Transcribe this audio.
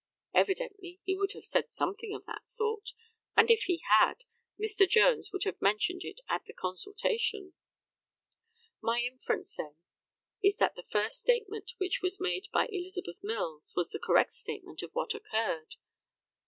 Evidently he would have said something of that sort, and if he had, Mr. Jones would have mentioned it at the consultation. My inference, then, is that the first statement which was made by Elizabeth Mills was the correct statement of what occurred.